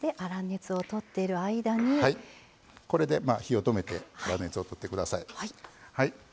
これで火を止めて粗熱を取ってください。